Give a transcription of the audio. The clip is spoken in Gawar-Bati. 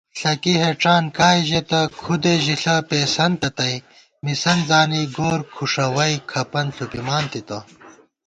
ݪَکی ہېڄان کائےژېتہ کھُدےژݪہ پېئیسَنتہ تئ مِسَنت زانی گورکھُݭَوَئی کھپَن ݪُپِمانتِتہ